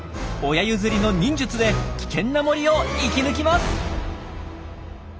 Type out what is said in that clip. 親譲りの忍術で危険な森を生き抜きます！